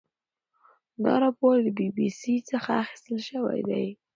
دا راپور د بي بي سي څخه اخیستل شوی دی.